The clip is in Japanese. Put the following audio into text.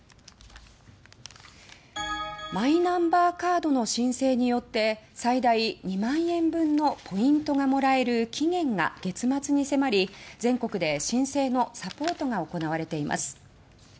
マイナンバーカードの申請によって最大２万円分のポイントがもらえる期限が月末に迫り全国で申請のサポートが行われています。